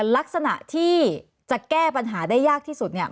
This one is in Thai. ลักษณะที่จะแก้ปัญหาได้ยากที่สุดเนี่ย